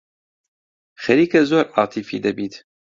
خەریکە زۆر عاتیفی دەبیت.